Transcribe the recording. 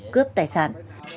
cướp tài sản